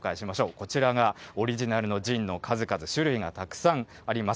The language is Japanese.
こちらがオリジナルのジンの数々、種類がたくさんあります。